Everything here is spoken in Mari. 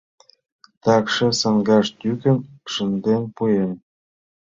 Такше саҥгаш тӱкым шынден пуэн...